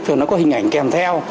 và nó có hình ảnh kèm theo